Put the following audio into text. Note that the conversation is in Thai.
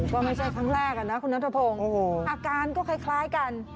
ก็ไม่ใช่ครั้งแรกนะคุณนัทพงศ์อาการก็คล้ายกัน